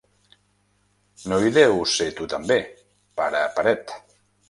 No hi deus ser tu també, pare paret?